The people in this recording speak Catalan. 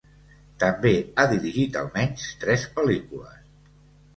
També ha dirigit almenys tres pel·lícules.